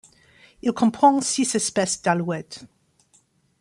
Il comprend six espèces d'alouettes.